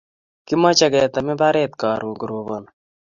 Kimache ketem imabaret karun korobani